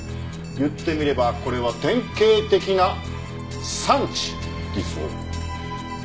言ってみればこれは典型的な産地偽装。